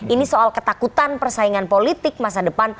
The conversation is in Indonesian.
ini soal ketakutan persaingan politik masa depan